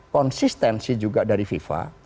konsistensi juga dari viva